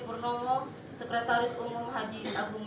purnomo sekretaris umum haji agung